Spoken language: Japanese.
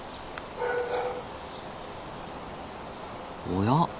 おや？